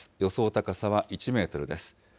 高さは１メートルです。